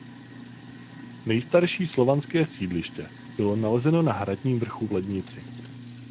Nejstarší slovanské sídliště bylo nalezeno na hradním vrchu v Lednici.